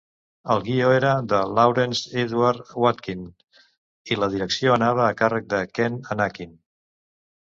El guió era de Lawrence Edward Watkin i la direcció va anar a càrrec de Ken Annakin.